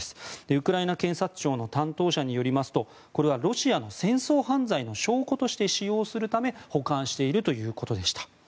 ウクライナ検察庁の担当者によりますとこれはロシアの戦争犯罪の証拠として使用するため保管しているということでした。